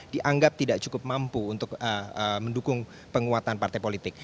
dianggap tidak cukup mampu untuk mendukung penguatan partai politik